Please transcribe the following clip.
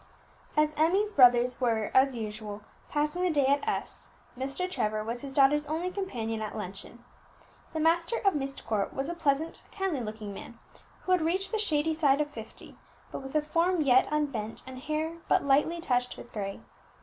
As Emmie's brothers were, as usual, passing the day at S , Mr. Trevor was his daughter's only companion at luncheon. The master of Myst Court was a pleasant, kindly looking man, who had reached the shady side of fifty, but with a form yet unbent and hair but lightly touched with gray.